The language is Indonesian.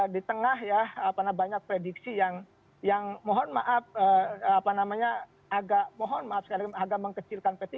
di tengah ya banyak prediksi yang mohon maaf agak mohon maaf agak mengkecilkan p tiga